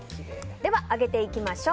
では、揚げていきましょう。